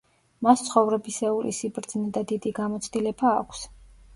მას ცხოვრებისეული სიბრძნე და დიდი გამოცდილება აქვს.